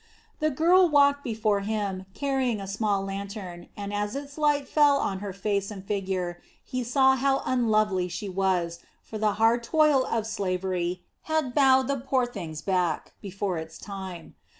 The girl walked before him, carrying a small lantern, and as its light fell on her face and figure, he saw how unlovely she was, for the hard toil of slavery had bowed the poor thing's back before its time.